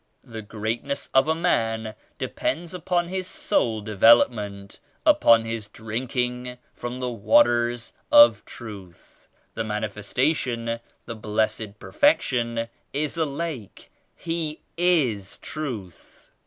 The greatness of a man depends upon his soul development, upon his drinking from the Waters of Truth. The Mani festation, the Blessed Perfection is a lake. He is Truth."